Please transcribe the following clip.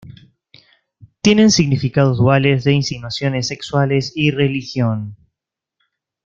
Tienen significados duales de insinuaciones sexuales y religión.